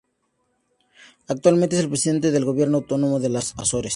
Actualmente es el presidente del gobierno autónomo de las Azores.